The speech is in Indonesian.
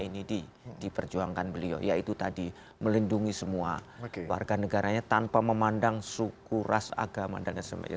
perjuangan gus dur yang selama ini diperjuangkan beliau yaitu tadi melindungi semua warga negaranya tanpa memandang suku ras agama dan semuanya